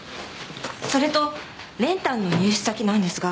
それと練炭の入手先なんですが。